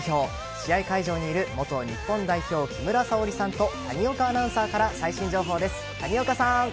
試合会場にいる元日本代表・木村沙織さんと谷岡アナウンサーから最新情報です。